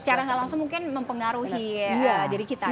cara langsung mungkin mempengaruhi diri kita kan